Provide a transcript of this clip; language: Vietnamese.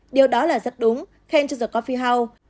điều đó là rất đúng khen cho the coffee house